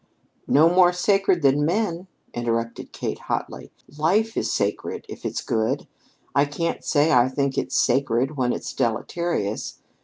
"No more sacred than men!" interrupted Kate hotly. "Life is sacred if it's good. I can't say I think it sacred when it's deleterious.